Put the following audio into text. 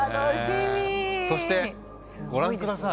そしてご覧ください。